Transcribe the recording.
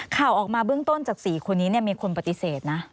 ข่าวออกมาเบื้องต้นจาก๔คนนี้มีคนปฏิเสธนะ